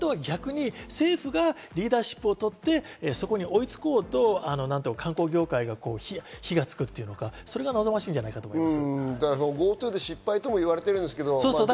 本当は逆に政府がリーダーシップをとってそこに追いつこうと観光業界に火がつくというのか、それが望ましいんじゃないかと思います。